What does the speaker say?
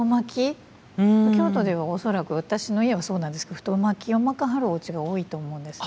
京都では恐らく私の家はそうなんですけど太巻きを巻かはるおうちが多いと思うんですね。